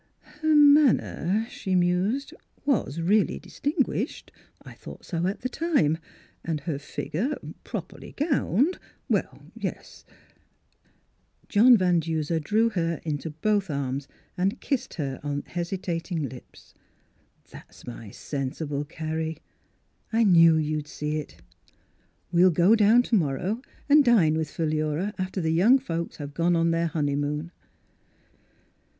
" Her manner," she mused, " was really distinguished. I thought so at the time. And her figure — properly gowned — yes, well —" Miss Fhilura's Wedding Gozvn John Van Duser drew her into both arms and kissed her on the hesitating lips. " That's my sensible Carrie. I knew you'd see it. We'll go down to morrow, and dine with Philura after the young folks have gone on their honeymoon."